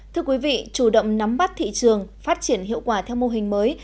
thưa quý vị chủ động nắm bắt thị trường phát triển hiệu quả theo mô hình mới